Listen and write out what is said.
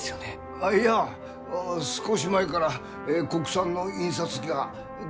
あっいや少し前から国産の印刷機が出てきたよ。